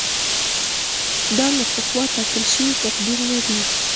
دا له پخوا ټاکل شوی تقدیر نه دی.